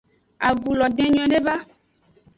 Agu lo den nyuiede ba.